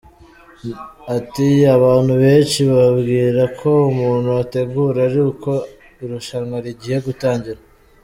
Ati “Abantu benshi bibwira ko umuntu ategura ari uko irushanwa rigiye gutangira.